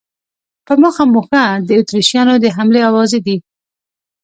په مخه مو ښه، د اتریشیانو د حملې آوازې دي.